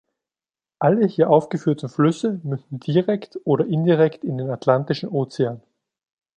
Alle hier aufgeführten Flüsse münden direkt oder indirekt in den Atlantischen Ozean.